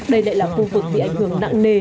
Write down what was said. đây lại là khu vực bị ảnh hưởng nặng nề